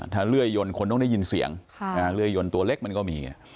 ถ้าเลื่อยยนคนต้องได้ยินเสียงเลื่อยยนตัวเล็กมันก็มี